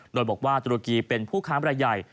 โดยบอกว่าตุรกีเป็นผู้ค้ามรายใหญ่